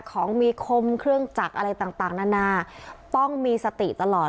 ของมีคมเครื่องจักรอะไรต่างนานาต้องมีสติตลอด